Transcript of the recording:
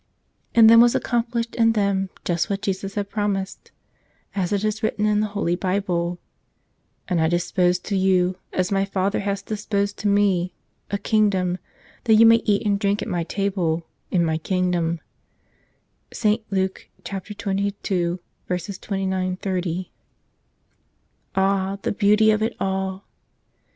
And then was accomplished in them just what Jesus had promised, as it is written in the Holy Bible, "And I dispose to you, as My Father hath disposed to Me, a kingdom, that you may eat and drink at My table in My kingdom" (St. Luke 22 :29, 30). Ah, the beauty of it all!